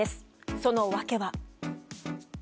その訳は。